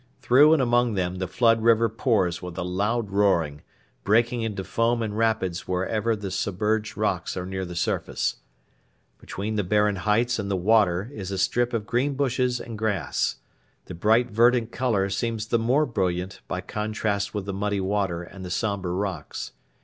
Through and among them the flood river pours with a loud roaring, breaking into foam and rapids wherever the submerged rocks are near the surface. Between the barren heights and the water is a strip of green bushes and grass. The bright verdant colour seems the more brilliant by contrast with the muddy water and the sombre rocks.